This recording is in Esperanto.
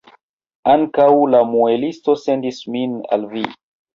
Ankaŭ la muelisto sendis min al vi.